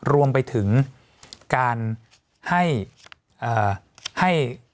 รวมไปถึงการให้